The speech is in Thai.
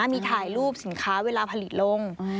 มีถ่ายรูปสินค้าเวลาผลิตลง